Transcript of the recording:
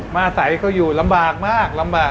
อาศัยก็อยู่ลำบากมากลำบาก